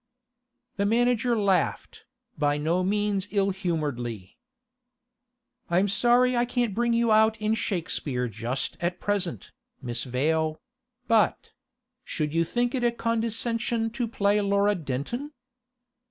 The manager laughed, by no means ill humouredly. 'I'm sorry I can't bring you out in Shakespeare just at present, Miss Vale; but—should you think it a condescension to play Laura Denton?